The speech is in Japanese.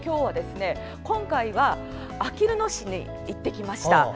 今回はあきる野市に行ってきました。